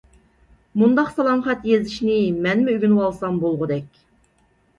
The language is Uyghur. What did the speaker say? مۇنداق سالام خەت يېزىشنى مەنمۇ ئۆگىنىۋالسام بولغۇدەك.